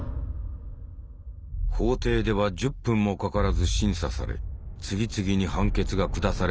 法廷では１０分もかからず審査され次々に判決が下されていった。